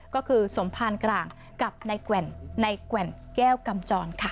ก็คือสมภารกลางกับในแกว่นแก้วกำจรค่ะ